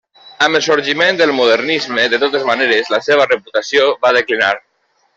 Amb el sorgiment del Modernisme, de totes maneres, la seva reputació va declinar.